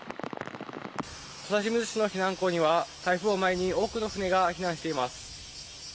土佐清水市の避難港には、台風を前に多くの船が避難しています。